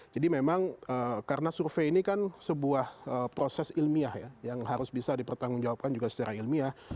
jadi memang karena survei ini kan sebuah proses ilmiah ya yang harus bisa dipertanggungjawabkan juga secara ilmiah